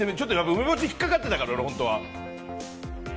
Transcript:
梅干し引っかかってたから本当は俺は。